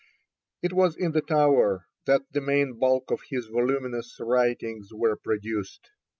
It was in the Tower that the main bulk of his voluminous writings were produced.